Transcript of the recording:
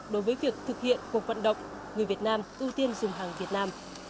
đối với việc thực hiện cuộc vận động người việt nam ưu tiên dùng hàng việt nam